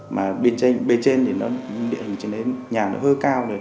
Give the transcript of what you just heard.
mà bên trên địa hình trở nên nhà nó hơi cao